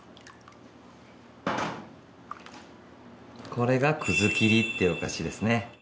これがくずきりっていうお菓子ですね。